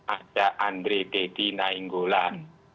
ada andre dedi nainggolan